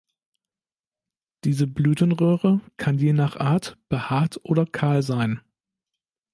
Diese Blütenröhre kann je nach Art behaart oder kahl sein.